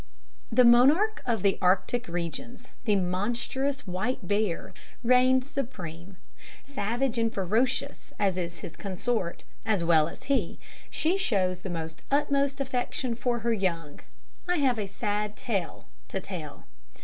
The monarch of the Arctic regions, the monstrous white bear there reigns supreme. Savage and ferocious as is his consort, as well as he, she shows the utmost affection for her young. I have a sad tale to tell.